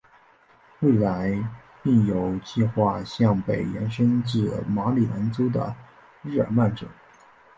未来并有计画向北延伸至马里兰州的日耳曼镇。